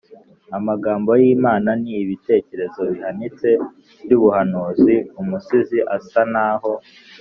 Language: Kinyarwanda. amagambo y’imana: ni ibitekerezo bihanitse by’ubuhanuzi umusizi asa n’aho